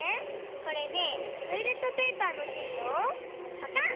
これねトイレットペーパーのしんをぱかん！